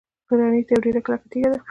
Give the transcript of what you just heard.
ګرانیټ یوه ډیره کلکه تیږه ده.